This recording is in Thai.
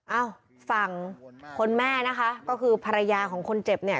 เอ้าฝั่งคนแม่นะคะก็คือภรรยาของคนเจ็บเนี่ย